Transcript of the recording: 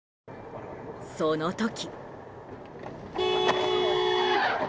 その時。